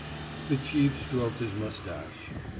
The chief stroked his mustache.